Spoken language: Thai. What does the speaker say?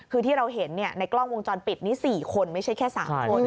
คือที่เราเห็นในกล้องวงจรปิดนี้๔คนไม่ใช่แค่๓คน